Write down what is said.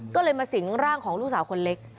ก็เลยมาสิงร่างของลูกสาวคนเล็ก